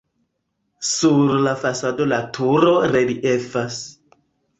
Sur la fasado la turo reliefas.